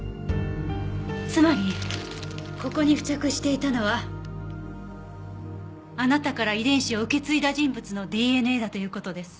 つまりここに付着していたのはあなたから遺伝子を受け継いだ人物のＤＮＡだという事です。